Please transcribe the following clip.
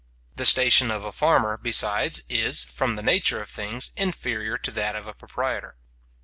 The station of a farmer, besides, is, from the nature of things, inferior to that of a proprietor.